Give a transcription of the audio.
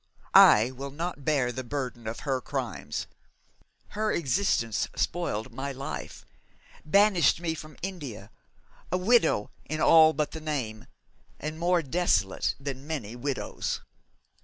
I will not bear the burden of her crimes. Her existence spoiled my life banished me from India, a widow in all but the name, and more desolate than many widows.'